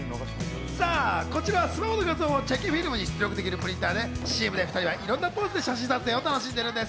こちらはスマホの画像をチェキフィルムに出力できるプリンターでＣＭで２人はいろんなポーズで写真撮影を楽しんでいます。